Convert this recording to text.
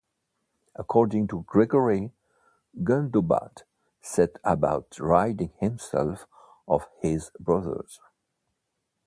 According to Gregory, Gundobad set about ridding himself of his brothers.